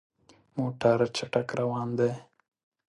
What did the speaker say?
موټر چټک روان دی.